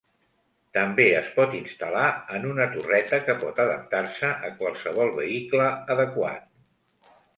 També es pot instal·lar en una torreta que pot adaptar-se a qualsevol vehicle adequat.